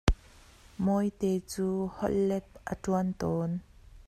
Mawite cu holh let a ṭuan tawn.